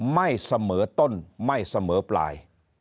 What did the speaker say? ไม่เสมอต้นไม่เสมอปลาย